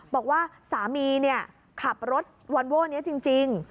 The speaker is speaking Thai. บอกว่าสามีเนี่ยขับรถวันโว้นเนี่ยจริง